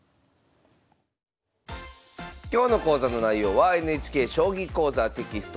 今日の講座の内容はＮＨＫ「将棋講座」テキスト